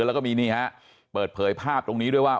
แล้วก็มีนี่ฮะเปิดเผยภาพตรงนี้ด้วยว่า